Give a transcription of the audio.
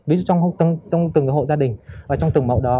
ví dụ trong từng hộ gia đình và trong từng mẫu đó